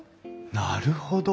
なるほど。